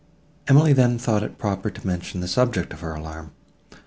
Emily then thought it proper to mention the subject of her alarm.